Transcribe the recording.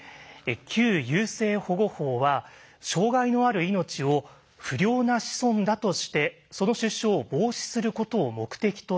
旧優生保護法は障害のある命を「不良な子孫」だとしてその出生を防止することを目的としていました。